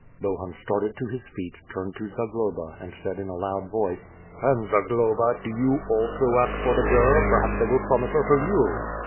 Bohun started to his feet, turned to Zagloba and said in a loud voice: "Pan Zagloba, do you also ask for the girl; perhaps they will promise her to you."